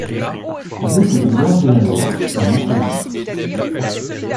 Route des Gorges de la Loire au numéro dix